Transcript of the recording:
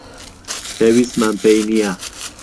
پێویستمان پێی نییە.